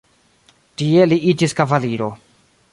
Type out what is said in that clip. Tie li iĝis kavaliro.